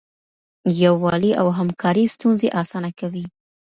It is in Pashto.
یووالی او همکاري ستونزې اسانه کوي.